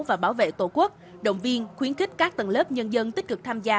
và bảo vệ tổ quốc động viên khuyến khích các tầng lớp nhân dân tích cực tham gia